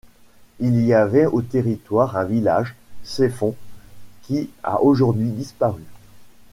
Il y avait au territoire un village, Ceffonds qui a aujourd'hui disparu.